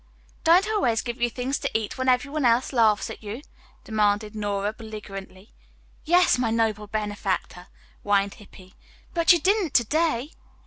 "Don't I always give you things to eat when everyone else laughs at you?" demanded Nora belligerently. "Yes, my noble benefactor," whined Hippy, "but you didn't to day."